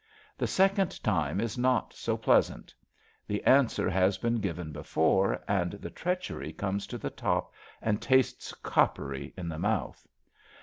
The second time is not so pleasant. The answer has been given before, and 154 ABAFT THE FUNNEL . the treachery comes to the top and tastes coppery in the mouth.